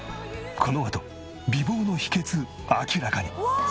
このあと美貌の秘訣明らかに。